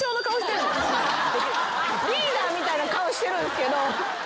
リーダーみたいな顔してるんすけど。